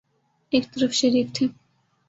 ایک طرف شریف تھے۔